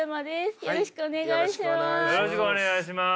よろしくお願いします。